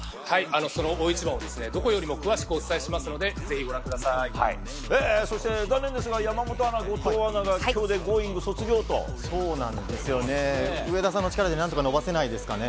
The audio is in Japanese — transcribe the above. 大一番をどこよりも詳しくお伝えしますのでそして、残念ですが山本アナ、後藤アナが今日で「Ｇｏｉｎｇ！」卒業と。上田さんの力で何とか延ばせないですかね？